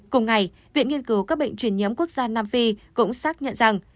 cùng ngày viện nghiên cứu các bệnh truyền nhiễm quốc gia nam phi cũng xác nhận rằng